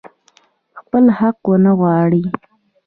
خپل حق ونه غواړي.